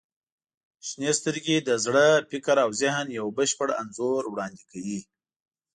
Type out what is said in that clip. • شنې سترګې د زړه، فکر او ذهن یو بشپړ انځور وړاندې کوي.